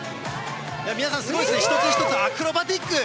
皆さん、すごいですね、一つ一つ、アクロバティック。